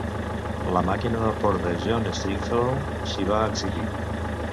La màquina de vapor de John Stringfellow s'hi va exhibir.